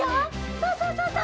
そうそうそうそう。